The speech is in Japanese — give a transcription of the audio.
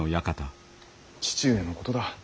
父上のことだ。